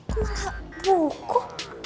kok malah buku